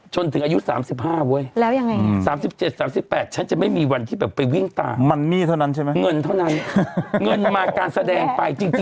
จริงฉันคิดอย่างนั้นจริงจนถึงวันที่๔๒